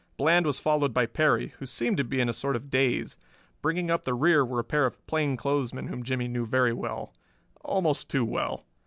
Bland was followed by Perry, who seemed to be in a sort of daze. Bringing up the rear were a pair of plainclothesmen whom Jimmie knew very well almost too well.